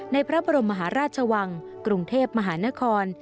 พระบรมมหาราชวังกรุงเทพมหานคร